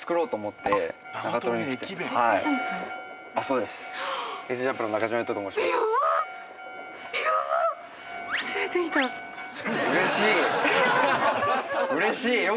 うれしい。